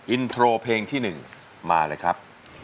อินโทรเพลงที่๑มาเลยครับ